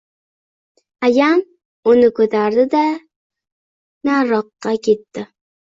Ayam uni koʻtardi-da, nariroqqa ketdi.